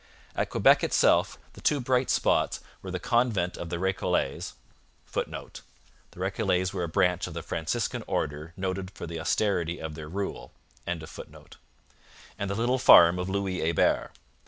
At Quebec itself the two bright spots were the convent of the Recollets [Footnote: The Recollets were a branch of the Franciscan order, noted for the austerity of their rule.] and the little farm of Louis Hebert.